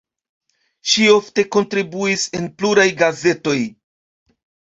Ŝi ofte kontribuis en pluraj gazetoj.